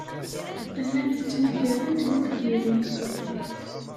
Tellam tettmagarem inebgiwen.